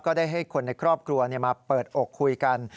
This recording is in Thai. ได้ให้คนในครอบครัวมาเปิดอกคุยกัน